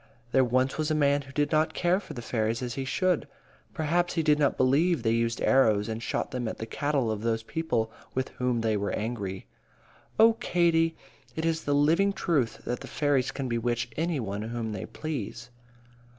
There once was a man who did not care for the fairies as he should. Perhaps he did not believe they used arrows and shot them at the cattle of those people with whom they were angry. Oh, Katie, it is the living truth that the fairies can bewitch any one whom they please.